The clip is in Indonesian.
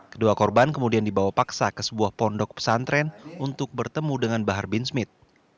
kedua korban kemudian dibawa paksa ke sebuah pondok pesantren untuk bertemu dengan bahar bin smith